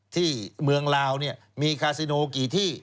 ที่เมืองลาวมีคาซิโนกี่ที่